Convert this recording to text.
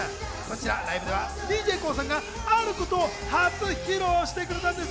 ライブではＤＪＫＯＯさんがあることを初披露してくれたんです。